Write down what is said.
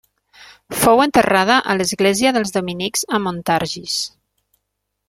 Fou enterrada a l'església dels dominics a Montargis.